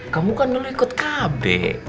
kamu kan dulu ikut kb